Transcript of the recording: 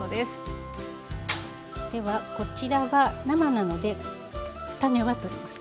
ではこちらは生なので種は取ります。